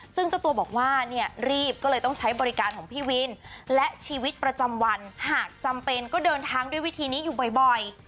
ซึ่งเจ้าตัวบอกว่าเนี่ยรีบก็เลยต้องใช้บริการของพี่วินและชีวิตประจำวันหากจำเป็นก็เดินทางด้วยวิธีนี้อยู่บ่อย